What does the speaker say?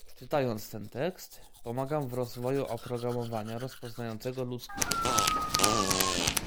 Czytając ten tekst pomagam w rozwoju oprogramowania rozpoznającego ludzki głos.